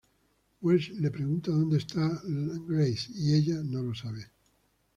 Wes le pregunta dónde está la Grace, y ella no lo sabe.